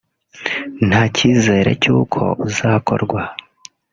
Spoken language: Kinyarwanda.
nta cyizere cy’uko uzakorwa